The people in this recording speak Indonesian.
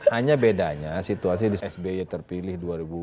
hanya bedanya situasi di sby terpilih dua ribu empat belas